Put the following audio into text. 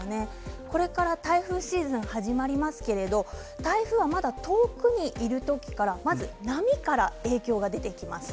これから台風シーズンが始まりますけれど台風は、まだ遠くにいる時からまず波から影響が出てきます。